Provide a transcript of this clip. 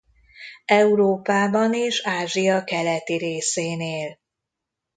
Európában és Ázsia keleti részén él.